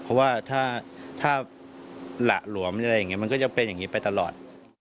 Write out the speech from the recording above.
เพราะว่าถ้าหละหลวมอะไรอย่างนี้มันก็จะเป็นอย่างนี้ไปตลอด